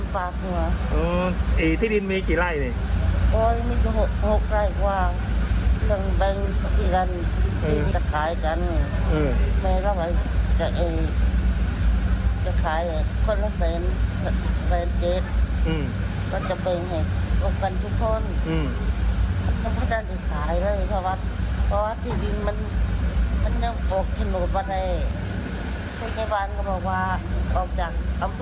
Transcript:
พี่ชายฟังก็บอกว่าอำเภอบ้านด่าน